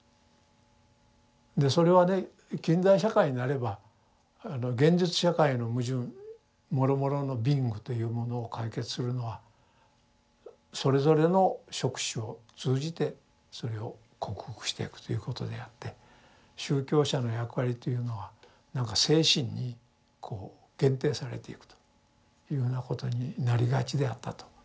でそれはね近代社会になれば現実社会の矛盾もろもろの貧苦というものを解決するのはそれぞれの職種を通じてそれを克服していくということであって宗教者の役割というのはなんか精神にこう限定されていくというふうなことになりがちであったと。